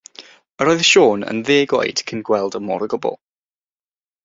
Yr oedd Siôn yn ddeg oed cyn gweld y môr o gwbl.